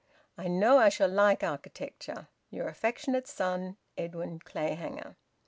I know I shall like architecture. Your affectionate son, Edwin Clayhanger."